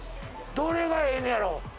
どれがええねやろ？